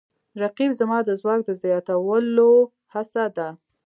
رقیب زما د ځواک د زیاتولو هڅه ده